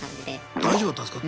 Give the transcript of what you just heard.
大丈夫だったんすか？